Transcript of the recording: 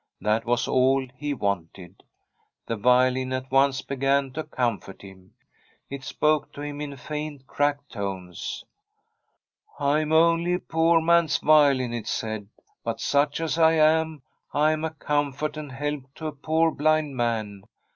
That was all he wanted. The violin at once began to comfort him ; it spoke to him in faint, cracked tones. * I am only a poor man's violin,' it said ;' but iiuch as I am, I am a comfort and help to a poor blind man.